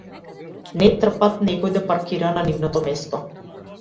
Не трпат некој да паркира на нивното место.